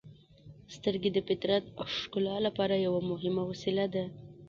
• سترګې د فطرت ښکلا لپاره یوه مهمه وسیله ده.